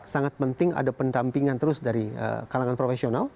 sangat penting ada pendampingan terus dari kalangan profesional